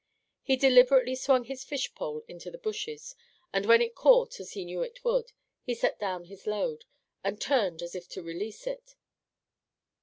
He deliberately swung his fish pole into the bushes, and when it caught, as he knew it would, he set down his load, and turned as if to release it.